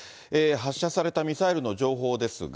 発射されたミサイルの情報ですが。